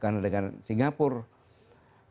karena dengan singapura